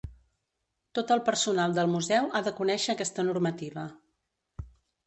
Tot el personal del museu ha de conèixer aquesta normativa.